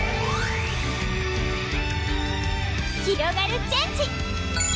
ひろがるチェンジ！